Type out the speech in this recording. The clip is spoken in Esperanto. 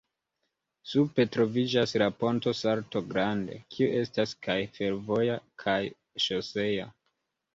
Supre troviĝas la Ponto Salto Grande, kiu estas kaj fervoja kaj ŝosea.